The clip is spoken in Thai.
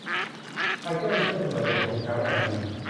พลายแก้วเป็นเพื่อนสมัยเด็กของขุนช้างและนางพิม